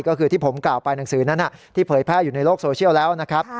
ก็คือที่ผมกล่าวไปหนังสือนั้นที่เผยแพร่อยู่ในโลกโซเชียลแล้วนะครับ